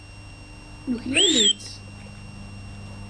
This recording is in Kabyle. Nuklal-itt.